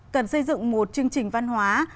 cần xây dựng một chương trình văn hóa